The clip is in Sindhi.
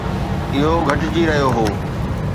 اهو گهٽجي رهيو هو